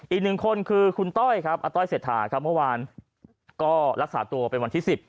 อีกหนึ่งคนคือคุณต้อยครับอาต้อยเศรษฐาครับเมื่อวานก็รักษาตัวเป็นวันที่๑๐